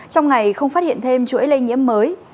trong ngày không phát hiện thêm chuỗi lây nhiễm mới